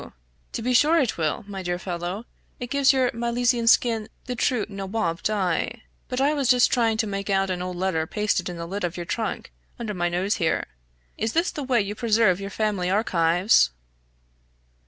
To be sure it will, my dear fellow it gives your Milesian skin the true Nawaub dye. But I was just trying to make out an old letter pasted in the lid of your trunk, under my nose here. Is this the way you preserve your family archives?"